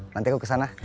nanti aku ke sana